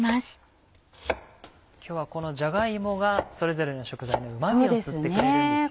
今日はこのじゃが芋がそれぞれの食材のうまみを吸ってくれるんですよね。